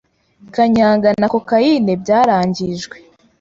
Kanyanga na Coacaine byarangijwe